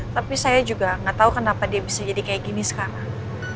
tapi saya juga nggak tahu kenapa dia bisa jadi kayak gini sekarang